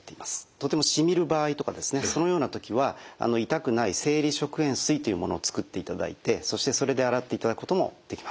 とてもしみる場合とかそのような時は痛くない生理食塩水というものを作っていただいてそしてそれで洗っていただくこともできます。